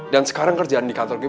dan sekarang kerjaan di kantor gue